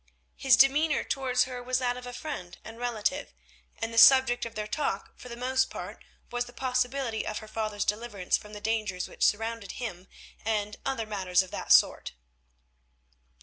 His demeanour towards her was that of a friend and relative, and the subject of their talk for the most part was the possibility of her father's deliverance from the dangers which surrounded him, and other matters of the sort.